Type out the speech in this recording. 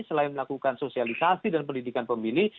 selain melakukan sosialisasi dan pendidikan pemilih